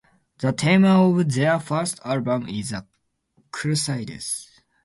The theme of their first album is the Crusades.